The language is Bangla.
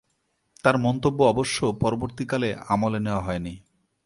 তার মন্তব্য অবশ্য পরবর্তীকালে আমলে নেওয়া হয়নি।